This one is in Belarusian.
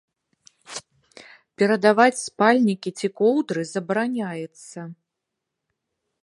Перадаваць спальнікі ці коўдры забараняецца.